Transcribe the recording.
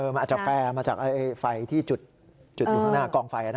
มันอาจจะแฟร์มาจากไฟที่จุดอยู่ข้างหน้ากองไฟ